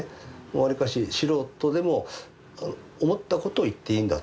わりかし素人でも思ったことを言っていいんだと。